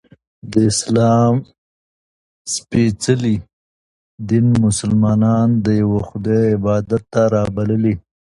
د اسلام څپېڅلي دین ملسلمانان د یوه خدایﷻ عبادت ته رابللي